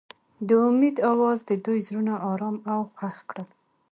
د امید اواز د دوی زړونه ارامه او خوښ کړل.